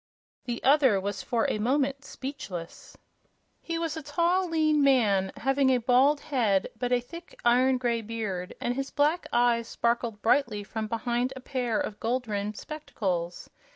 The other was for a moment speechless. He was a tall, lean man, having a bald head but a thick, iron gray beard, and his black eyes sparkled brightly from behind a pair of gold rimmed spectacles.